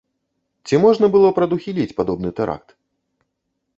Ці можна было прадухіліць падобны тэракт?